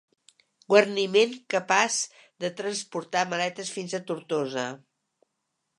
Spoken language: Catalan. Guarniment capaç de transportar maletes fins a Tortosa.